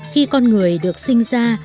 khi con người được sinh ra